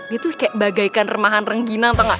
dia tuh kayak bagaikan remahan renggina tau gak